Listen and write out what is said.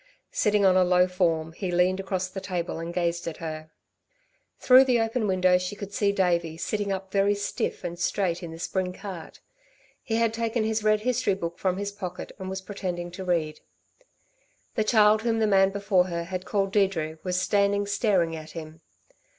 Sitting on a low form, he leaned across the table and gazed at her. Through the open window she could see Davey sitting up very stiff and straight in the spring cart. He had taken his red history book from his pocket and was pretending to read. The child whom the man before her had called Deirdre was standing staring at him.